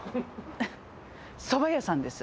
そば屋さんです。